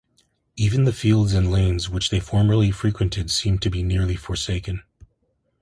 Even the fields and lanes which they formerly frequented seem to be nearly forsaken.